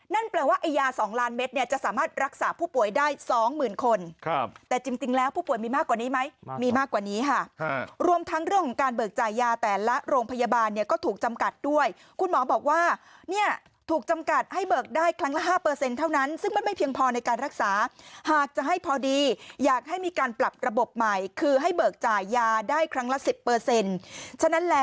นั่นแปลว่ายา๒ล้านเมตรจะสามารถรักษาผู้ป่วยได้๒๐๐๐๐คน